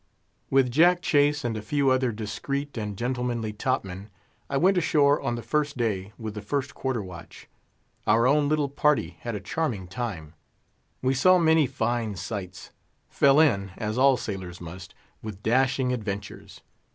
With Jack Chase and a few other discreet and gentlemanly top men, I went ashore on the first day, with the first quarter watch. Our own little party had a charming time; we saw many fine sights; fell in—as all sailors must—with dashing adventures.